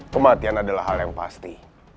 kematian adalah hal yang pasti